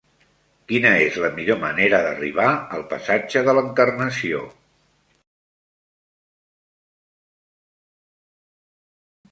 Quina és la millor manera d'arribar al passatge de l'Encarnació?